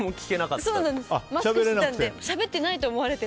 マスクしてたんでしゃべってないと思われて。